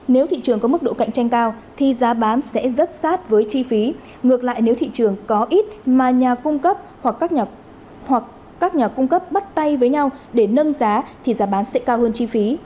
nếu thị trường có mức độ cạnh tranh cao thì giá bán sẽ rất sát với chi phí ngược lại nếu thị trường có ít mà nhà cung cấp hoặc các nhà cung cấp bắt tay với nhau để nâng giá thì giá bán sẽ cao hơn chi phí